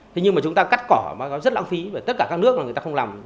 thế nhưng mà chúng ta cắt cỏ mà nó rất lãng phí tất cả các nước mà người ta không làm